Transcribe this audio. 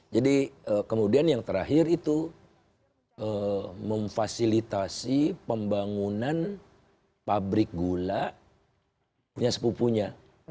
kemudian yang terakhir itu memfasilitasi pembangunan pabrik gula punya sepupunya